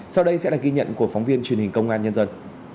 sau đây sẽ là ghi nhận của phóng viên truyền hình công an nhân dân